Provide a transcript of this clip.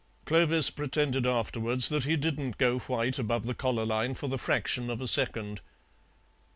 Clovis pretended afterwards that he didn't go white above the collar line for the fraction of a second.